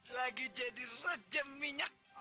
lagi jadi rejem minyak